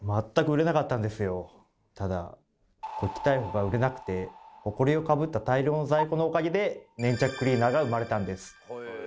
ただ「ゴキ逮捕！」が売れなくてホコリをかぶった大量の在庫のおかげで粘着クリーナーが生まれたんです。